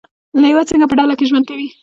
لیوه څنګه په ډله کې ژوند کوي؟